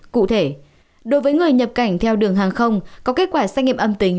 cụ thể đối với người nhập cảnh theo đường hàng không có kết quả xét nghiệm âm tính